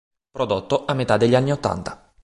Prodotto a metà degli anni ottanta.